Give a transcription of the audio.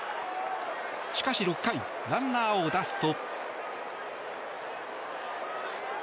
しかし６回ランナーを出すと。